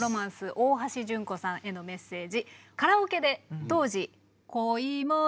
大橋純子さんへのメッセージ。